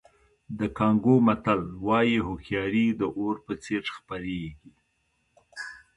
د کانګو متل وایي هوښیاري د اور په څېر خپرېږي.